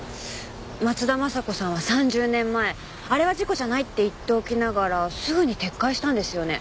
松田雅子さんは３０年前あれは事故じゃないって言っておきながらすぐに撤回したんですよね？